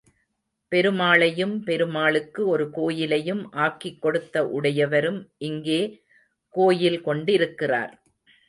பெருமாளையும், பெருமாளுக்கு ஒரு கோயிலையும் ஆக்கிக் கொடுத்த உடையவரும் இங்கே கோயில் கொண்டிருக்கிறார்.